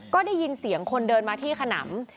ก็ได้ยินเสียงคนเดินมาที่ขนำ